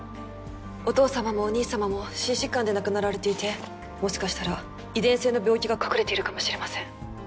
お父さまもお兄さまも心疾患で亡くなられていてもしかしたら遺伝性の病気が隠れているかもしれません。